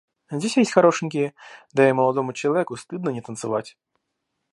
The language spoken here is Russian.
Здесь есть хорошенькие, да и молодому человеку стыдно не танцевать.